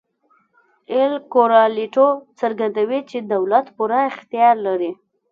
اېل کورالیټو څرګندوي چې دولت پوره اختیار لري.